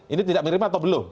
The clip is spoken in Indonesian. ini tidak mirip atau belum